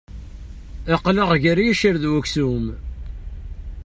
Aql-aɣ ger iccer d uksum.